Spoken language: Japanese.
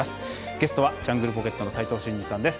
ゲストは、ジャングルポケットの斉藤慎二さんです。